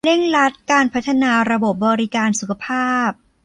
เร่งรัดการพัฒนาระบบบริการสุขภาพ